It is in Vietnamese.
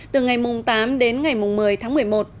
từ ngày tám đến ngày một mươi tháng một mươi một